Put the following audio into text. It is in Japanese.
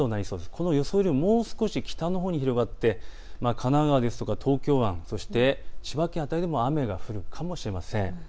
この予想よりももう少し北のほうに広がって、神奈川や東京湾、千葉県辺りでも雨が降るかもしれません。